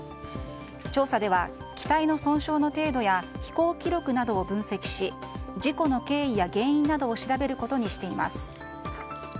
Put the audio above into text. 調査では機体の損傷の程度や飛行記録などを分析し事故の経緯や原因などを調べることにしています。